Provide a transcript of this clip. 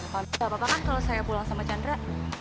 kalau gak apa apa kan kalau saya pulang sama chandra